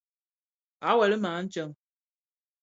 À weli më a ntseng.